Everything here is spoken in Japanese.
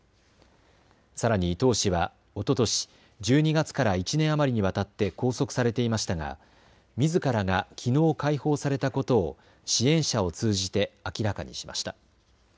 さらに唐氏はおととし１２月から１年余りにわたって拘束されていましたが、みずからがきのう解放されたことを支援者を通じて明らかにしました。